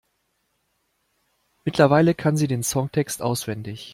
Mittlerweile kann sie den Songtext auswendig.